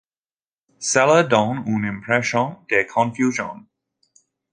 Cela donne une impression de confusion.